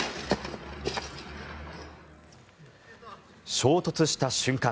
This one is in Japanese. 衝突した瞬間